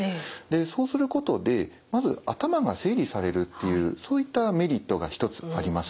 そうすることでまず頭が整理されるっていうそういったメリットが一つあります。